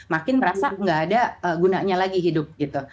makin merasa nggak ada gunanya lagi hidup gitu